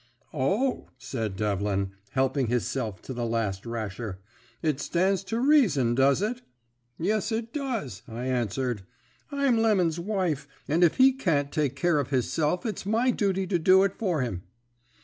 "'O,' said Devlin, helping hisself to the last rasher. 'It stands to reason, does it?' "'Yes, it does,' I answered. 'I'm Lemon's wife, and if he can't take care of hisself it's my duty to do it for him.'